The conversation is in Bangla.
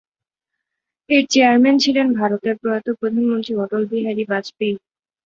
এর চেয়ারম্যান ছিলেন ভারতের প্রয়াত প্রধানমন্ত্রী অটল বিহারী বাজপেয়ী।